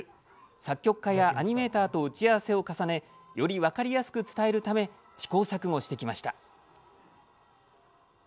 作曲家やアニメーターと打ち合わせを重ねより分かりやすく伝えるため試行錯誤してきました。